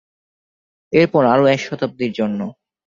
এরপর আরও এক শতাব্দীর জন্য।